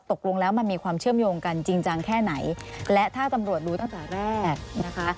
ตกลงแล้วมันมีความเชื่อมโยงกันจริงจังแค่ไหนและถ้าตำรวจรู้ตั้งแต่แรกนะคะ